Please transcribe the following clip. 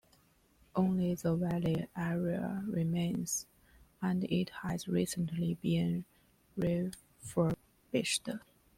Only the Valley area remains, and it has recently been refurbished.